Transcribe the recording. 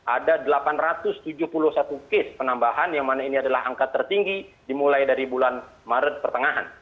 ada delapan ratus tujuh puluh satu case penambahan yang mana ini adalah angka tertinggi dimulai dari bulan maret pertengahan